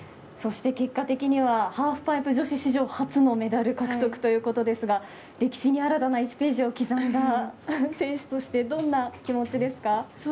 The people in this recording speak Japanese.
そして結果的にはハーフパイプ女子史上初のメダル獲得ということですが歴史に新たな１ページを刻んだ選手としてどんな気持ちですか。